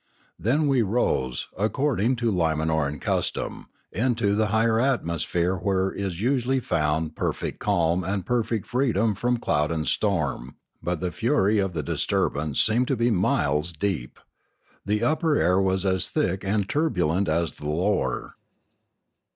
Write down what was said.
Then we rose, according to Limanoran custom, into the higher atmo sphere where is usually found perfect calm and perfect freedom from cloud and storm, but the fury of the dis turbance seemed to be miles deep. The upper air was as thick and turbulent as the lower.